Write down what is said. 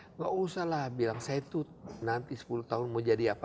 enggak usahlah bilang saya tuh nanti sepuluh tahun mau jadi apa